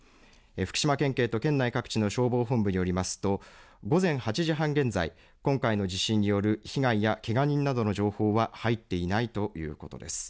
福島県警と県内各地の消防本部によりますと午前８時半現在、今回の地震による被害やけが人などの情報は入っていないということです。